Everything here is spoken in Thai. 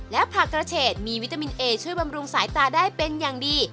และผักกระเฉดมีวิตามินเอช่วยบำรุงสายตาได้เป็นอย่างดี